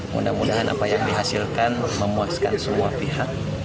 mudah mudahan apa yang dihasilkan memuaskan semua pihak